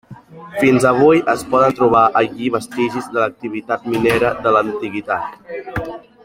Fins avui es poden trobar allí vestigis de l'activitat minera de l'antiguitat.